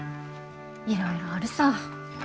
いろいろあるさ。